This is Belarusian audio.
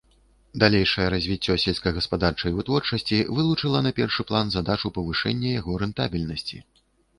Далейшае развіццё сельскагаспадарчай вытворчасці вылучыла на першы план задачу павышэння яго рэнтабельнасці.